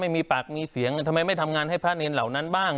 ไม่มีปากมีเสียงทำไมไม่ทำงานให้พระเนรเหล่านั้นบ้าง